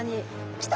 来た！